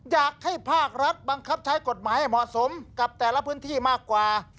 อยากให้ภาครัฐบังคับใช้กฎหมายให้เหมาะสมกับแต่ละพื้นที่มากกว่า